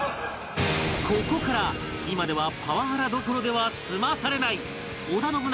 ここから今ではパワハラどころでは済まされない織田信長